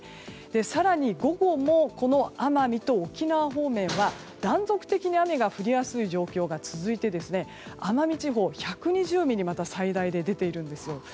更に、午後も奄美と沖縄方面は断続的に雨が降りやすい状態が続いて奄美地方１２０ミリという予想が最大で出ているんですよ。